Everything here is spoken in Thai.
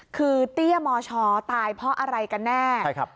คือเตี้ยมชตายเพราะอะไรกันแน่